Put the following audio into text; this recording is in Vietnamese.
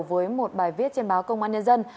với một bài viết trên báo công an nhân dân